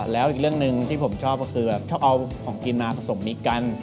แล้วอีกเรื่องหนึ่งที่ผมชอบก็คือแบบชอบเอาของกินมาผสมมิตรกัน